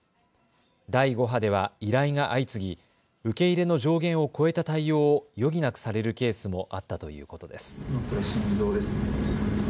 第５波では依頼が相次ぎ受け入れの上限を超えた対応を余儀なくされるケースもあったということです。